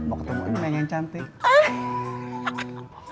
mau ketemu ini main yang cantik